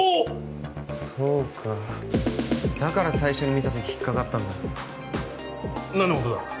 そうかだから最初に見た時引っ掛かったんだ。